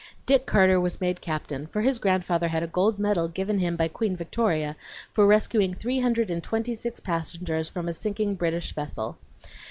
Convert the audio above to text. Dick Carter was made captain, for his grandfather had a gold medal given him by Queen Victoria for rescuing three hundred and twenty six passengers from a sinking British vessel.